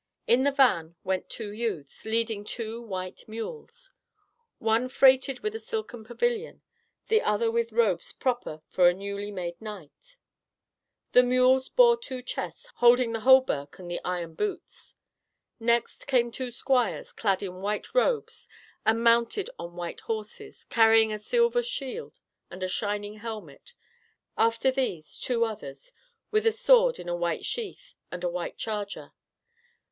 In the van went two youths, leading two white mules, one freighted with a silken pavilion, the other with robes proper for a newly made knight; the mules bore two chests, holding the hauberk and the iron boots. Next came two squires, clad in white robes and mounted on white horses, carrying a silver shield and a shining helmet; after these, two others, with a sword in a white sheath and a white charger.